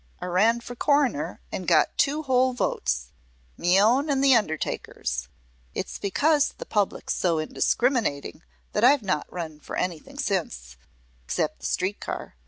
I ran for coroner an' got two whole votes me own an' the undertaker's. It's because the public's so indiscriminating that I've not run for anything since except th' street car."